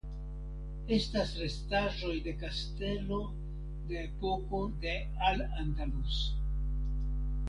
Estas restaĵoj de kastelo de epoko de Al Andalus.